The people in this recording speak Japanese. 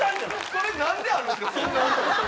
それ何であるんすか？